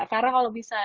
karena kalau bisa